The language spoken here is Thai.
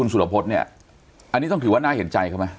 สุรพฤษเนี่ยอันนี้ต้องถือว่าน่าเห็นใจเขาไหม